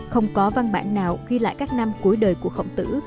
không có văn bản nào ghi lại các năm cuối đời của khổng tử